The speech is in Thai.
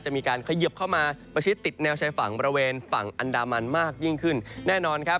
มีการเขยิบเข้ามาประชิดติดแนวชายฝั่งบริเวณฝั่งอันดามันมากยิ่งขึ้นแน่นอนครับ